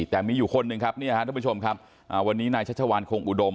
แต่มีอยู่คนหนึ่งที่ให้ชมวันนี้ในชะวานโคงอุดม